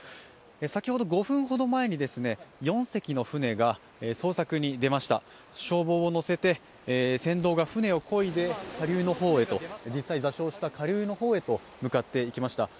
先ほど、５分ほど前に４隻の舟が捜索に出ました、消防を乗せて船頭が舟をこいで実際に座礁した下流の方へと向かっていきました。